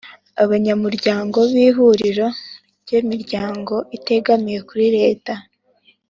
Abanyamuryango b’ Ihuriro ry’ Imiryango itegamiye kuri Leta